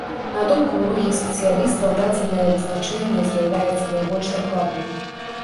На думку многіх спецыялістаў дадзенае вызначэнне з'яўляецца найбольш дакладным.